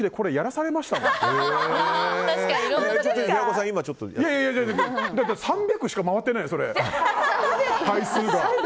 それ３００しか回ってないの、回数が。